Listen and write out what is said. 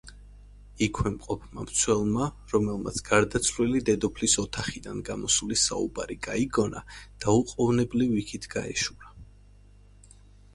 იქვე მყოფმა მცველმა, რომელმაც გარდაცვლილი დედოფლის ოთახიდან გამოსული საუბარი გაიგონა დაუყოვნებლივ იქით გაეშურა.